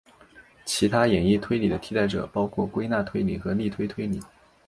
其他演绎推理的替代者包括归纳推理和逆推推理。